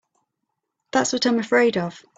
That's what I'm afraid of.